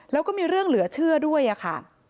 แล้วก็มีเรื่องเหลือเชื่อด้วยค่ะ